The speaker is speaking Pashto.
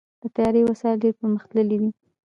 د طیارې وسایل ډېر پرمختللي دي.